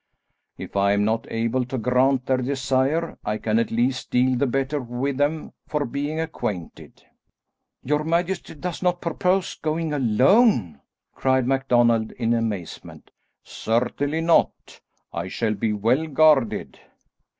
If I am not able to grant their desire, I can at least deal the better with them for being acquainted." "Your majesty does not purpose going alone?" cried MacDonald in amazement. "Certainly not. I shall be well guarded."